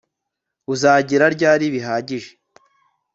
Uzagira ryari bihagije